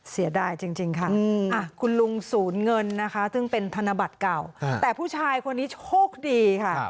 เสียดายจริงค่ะคุณลุงศูนย์เงินนะคะซึ่งเป็นธนบัตรเก่าแต่ผู้ชายคนนี้โชคดีค่ะ